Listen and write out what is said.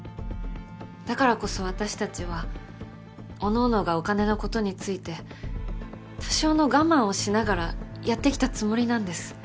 だからこそあたしたちはおのおのがお金のことについて多少の我慢をしながらやってきたつもりなんです。